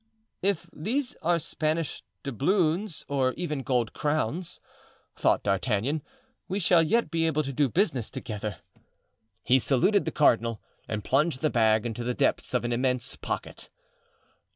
"If these are Spanish doubloons, or even gold crowns," thought D'Artagnan, "we shall yet be able to do business together." He saluted the cardinal and plunged the bag into the depths of an immense pocket.